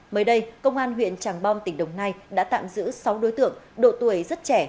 mới đây công an huyện tràng bom tỉnh đồng nai đã tạm giữ sáu đối tượng độ tuổi rất trẻ